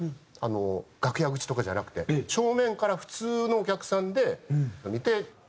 楽屋口とかじゃなくて正面から普通のお客さんで見て。